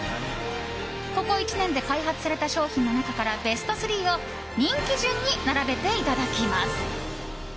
ここ１年で開発された商品の中からベスト３を人気順に並べていただきます。